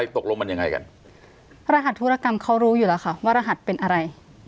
ตกลงมันยังไงกันพระรหัสธุรกรรมเขารู้อยู่แล้วค่ะว่ารหัสเป็นอะไร